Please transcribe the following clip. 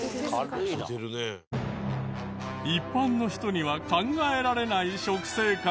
一般の人には考えられない食生活とは？